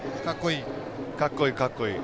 かっこいい、かっこいい。